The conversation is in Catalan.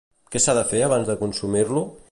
Què s'ha de fer abans de consumir-lo?